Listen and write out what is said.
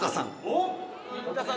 あっ新田さん！